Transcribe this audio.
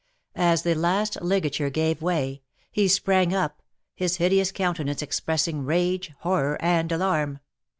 As the last ligature gave way, he sprang up, his hideous countenance expressing rage, horror, and alarm.